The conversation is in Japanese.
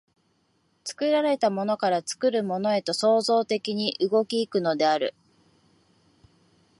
作られたものから作るものへと創造的に動き行くのである。